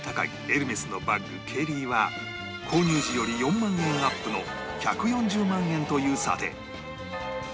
エルメスのバッグケリーは購入時より４万円アップの１４０万円という査定